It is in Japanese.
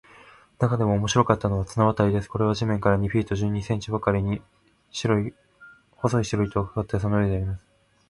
なかでも面白かったのは、綱渡りです。これは地面から二フィート十二インチばかりに、細い白糸を張って、その上でやります。